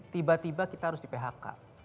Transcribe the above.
tiba tiba kita harus di phk